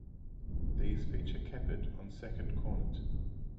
These feature Keppard on second cornet.